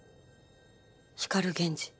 光源氏。